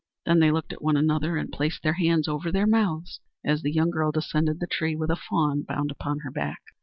Then they looked at one another and placed their hands over their mouths as the young girl descended the tree with a fawn bound upon her back.